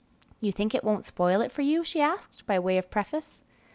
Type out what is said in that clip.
"You think it won't spoil it for you?" she asked, by way of preface.